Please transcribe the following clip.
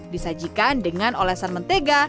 disajikan dengan olesan mentega